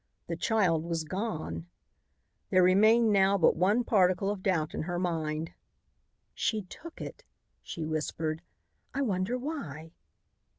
The child was gone! There remained now not one particle of doubt in her mind. "She took it," she whispered. "I wonder why."